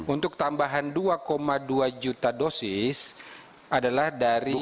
untuk tambahan dua dua juta dosis adalah dari